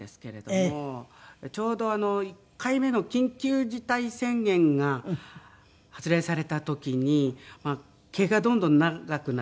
ちょうど１回目の緊急事態宣言が発令された時に毛がどんどん長くなってきて。